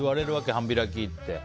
半開きって。